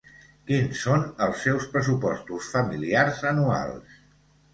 Quins són els seus pressupostos familiars anuals?